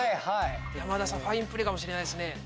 山田さんファインプレーかもしれないです。